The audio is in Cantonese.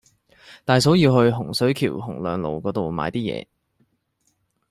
大嫂要去洪水橋洪亮路嗰度買啲嘢